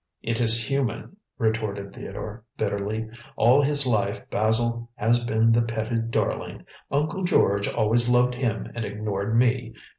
"It is human," retorted Theodore bitterly. "All his life Basil has been the petted darling. Uncle George always loved him and ignored me.